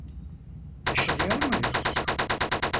Taşınıyor muyuz?